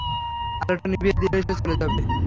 আলোটা নিভিয়ে দিলেই সে চলে যাবে।